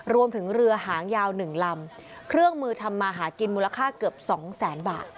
เรือหางยาว๑ลำเครื่องมือทำมาหากินมูลค่าเกือบสองแสนบาท